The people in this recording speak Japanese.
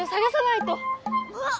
あっ！